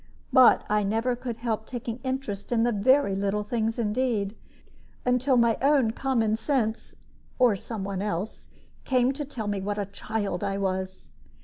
But I never could help taking interest in very little things indeed, until my own common sense, or somebody else, came to tell me what a child I was.